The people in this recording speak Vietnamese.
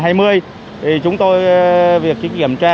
thì chúng tôi việc kiểm tra